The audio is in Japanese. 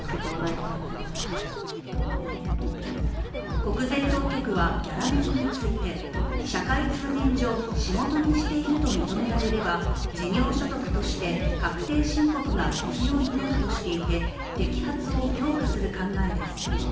国税当局はギャラ飲みについて社会通念上、仕事にしていると認められれば事業所得として確定申告が必要になるとしていて摘発を強化する考えです。